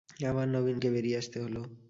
আবার নবীনকে বেরিয়ে আসতে হল।